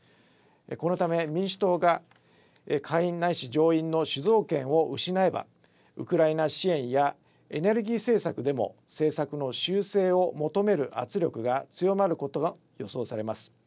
このため民主党が下院ないし上院の主導権を失えばウクライナ支援やエネルギー政策でも政策の修正を求める圧力が強まることが予想されます。